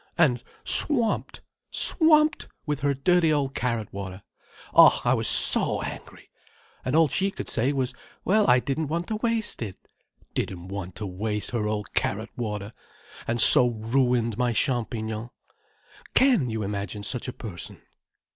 And swamped—swamped with her dirty old carrot water. Oh I was so angry. And all she could say was, 'Well, I didn't want to waste it!' Didn't want to waste her old carrot water, and so ruined my champignons. Can you imagine such a person?"